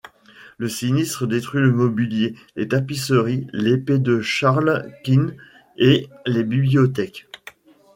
Le sinistre détruit le mobilier, les tapisseries, l'épée de Charles Quint et les bibliothèques.